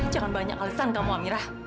jangan banyak kalisan kamu amira